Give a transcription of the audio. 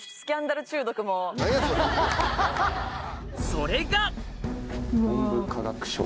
それが！